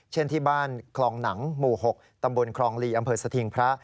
ที่บ้านคลองหนังหมู่๖ตำบลคลองลีอำเภอสถิงพระ